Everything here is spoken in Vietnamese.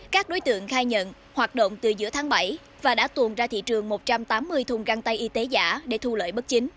các đối tượng khai nhận hoạt động từ giữa tháng bảy và đã tuồn ra thị trường một trăm tám mươi thùng găng tay y tế giả để thu lợi bất chính